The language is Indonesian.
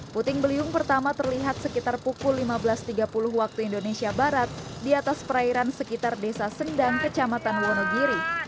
puting beliung pertama terlihat sekitar pukul lima belas tiga puluh waktu indonesia barat di atas perairan sekitar desa sendang kecamatan wonogiri